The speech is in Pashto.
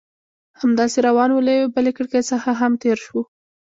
همداسې روان وو، له یوې بلې کړکۍ څخه هم تېر شوو.